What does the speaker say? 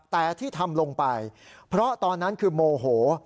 แต่ที่ทำลงไปเพราะตอนนั้นคือโมโห